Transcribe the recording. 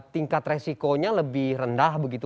tingkat resikonya lebih rendah begitu